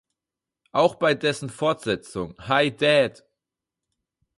Auch bei dessen Fortsetzung "Hi Dad!